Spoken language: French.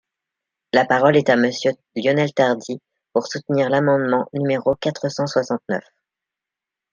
La parole est à Monsieur Lionel Tardy, pour soutenir l’amendement numéro quatre cent soixante-neuf.